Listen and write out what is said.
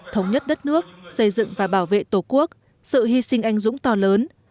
thống nhất đất nước xây dựng và bảo vệ tổ quốc sự hy sinh anh dũng to lớn